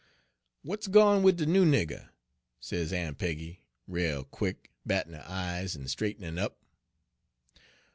" 'W'at's gone wid de noo nigger?' sez Aun' Peggy, rale quick, battin' her eyes en straight'nin' up.